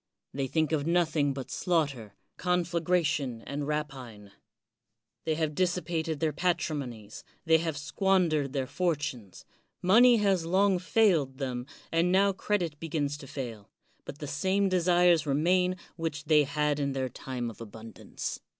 They think of nothing but slaughter, conflagration and 118 CICERO rapine. They have dissipated their patrimonies, they have squandered their fortunes. Money has long failed them, and now credit begins to fail ; but the same desires remain which they had in their time of abundance.